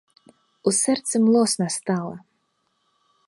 У сэрцы млосна стала.